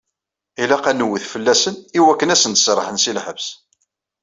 Ilaq ad newwet fell-asen, i waken ad asen-d-serrḥen seg lḥebs.